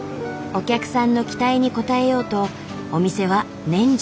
お客さんの期待に応えようとお店は年中無休。